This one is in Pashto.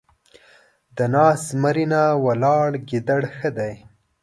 د ناست زمري نه ، ولاړ ګيدړ ښه دی.